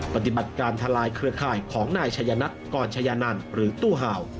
ปฏิบัติการทลายเครือข่ายของนายชัยนัทกรชายานันหรือตู้เห่า